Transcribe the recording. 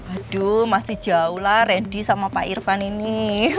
aduh masih jauh lah reni sama pak irvan ini